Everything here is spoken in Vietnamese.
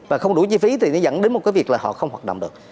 và không đủ chi phí thì nó dẫn đến một cái việc là họ không hoạt động được